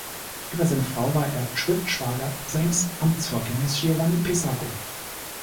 Über seine Frau war er Schwippschwager seines Amtsvorgängers Giovanni Pesaro.